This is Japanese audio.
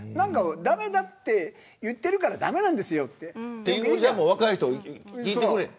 駄目だと言ってるから駄目なんですよ。というのじゃ若い人は聞いてくれない。